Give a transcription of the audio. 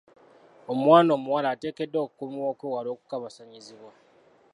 Omwana omuwala ateekeddwa okukuumibwa okwewala okukabasanyizibwa.